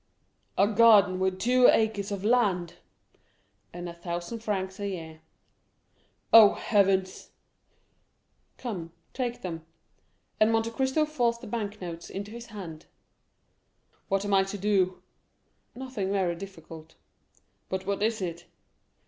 "A garden with two acres of land!" "And a thousand francs a year." "Oh, heavens!" "Come, take them," and Monte Cristo forced the bank notes into his hand. "What am I to do?" "Nothing very difficult." "But what is it?"